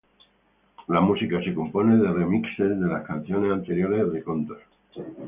La música se compone de remixes de las canciones anteriores de Contra.